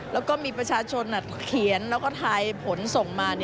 แล้วก็มีประชาชนเขียนแล้วก็ทายผลส่งมา